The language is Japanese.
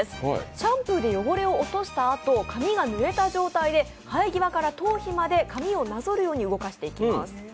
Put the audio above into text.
シャンプーで汚れを落としたあと髪が濡れた状態で生え際から頭皮をなぞるように動かしていきます。